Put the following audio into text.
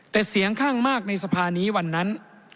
แต่เสียงข้างมากในสภานี้วันนั้น